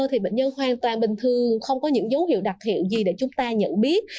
thì bệnh nhân hoàn toàn bình thường không có những dấu hiệu đặc hiệu gì để chúng ta nhận biết